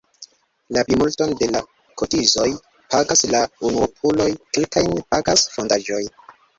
La plimulton de la kotizoj pagas la unuopuloj, kelkajn pagas fondaĵoj.